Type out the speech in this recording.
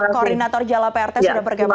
koordinator jalap rt sudah bergabung